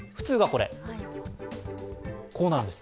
こうなるんです。